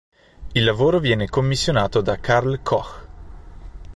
Il lavoro viene commissionato da Carl Koch.